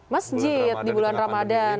masjid di bulan ramadhan